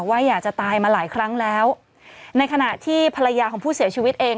ว่าอยากจะตายมาหลายครั้งแล้วในขณะที่ภรรยาของผู้เสียชีวิตเอง